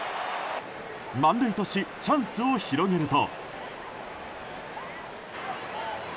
満塁としチャンスを広げると。